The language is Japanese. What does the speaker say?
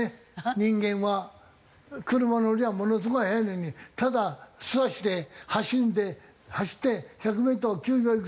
人間は車乗りゃあものすごい速いのにただ素足で走って「１００メートル９秒いくつだ！」。